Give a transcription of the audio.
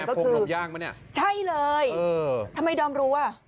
อันนี้ไงพวงนมย่างมั้ยเนี่ยใช่เลยเออทำไมดอมรู้อ่ะ